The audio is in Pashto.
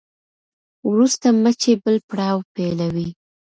وروسته مچۍ بل پړاو پیلوي.